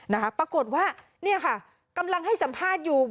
นะคะปรากฏว่าเนี่ยค่ะกำลังให้สัมภาษณ์อยู่